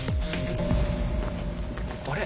あれ？